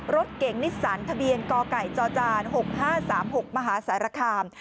รถเก่งนิสสันทะเบียนกไก่จจ๖๕๓๖มหาสารคาม